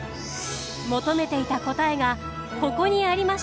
求めていた答えがここにありました。